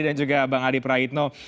kita lanjutkan setelah break ya bang